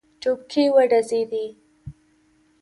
ټوپکې وډزېدې.